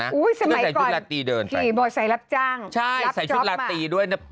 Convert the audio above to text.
สมัยก่อนพี่มีบอกใส่รับจ้างรับช็อปมาใช่ใส่ชุดลาตีด้วยนะ